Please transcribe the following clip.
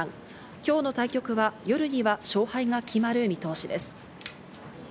今日の対局は夜には勝敗が決まる見通しです。